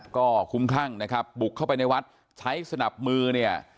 ก็คุ้มคลั่งนะครับบุกเข้าไปในวัดใช้สนับมือเนี่ย